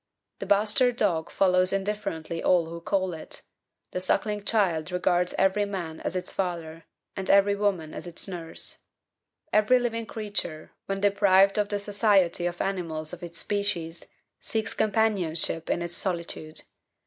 The bastard dog follows indifferently all who call it; the suckling child regards every man as its father and every woman as its nurse; every living creature, when deprived of the society of animals of its species, seeks companionship in its solitude.